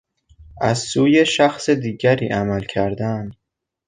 از سوی شخص دیگری عمل کردن